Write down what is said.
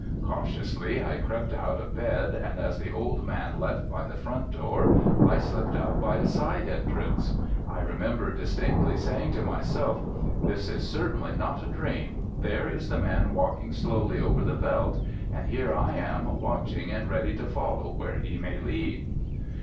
Cautiously I crept out of bed and as the old man left by the front door I slipped out by a side entrance. I remember distinctly saying to myself: "This is certainly not a dream; there is the man walking slowly over the veldt and here I am watching and ready to follow where he may lead."